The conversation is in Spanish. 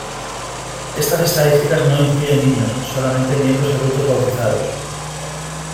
Estas estadísticas no incluyen niños, sino solamente miembros adultos bautizados.